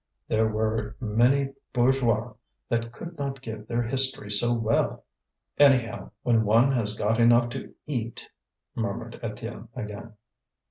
there were many bourgeois that could not give their history so well! "Anyhow, when one has got enough to eat!" murmured Étienne again.